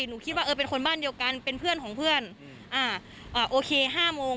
หนูคิดว่าเออเป็นคนบ้านเดียวกันเป็นเพื่อนของเพื่อนอ่าอ่าโอเคห้าโมง